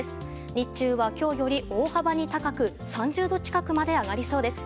日中は、今日より大幅に高く３０度近くまで上がりそうです。